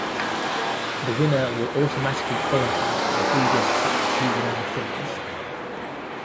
The winner will automatically qualify for the Breeders' Cup Juvenile Fillies.